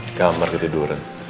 di kamar ketiduran